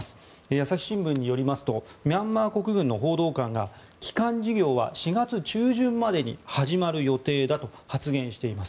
朝日新聞によりますとミャンマー国軍の報道官が帰還事業は４月中旬までに始まる予定だと発言しています。